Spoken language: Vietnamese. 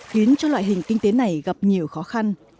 khiến cho loại hình kinh tế này gặp nhiều khó khăn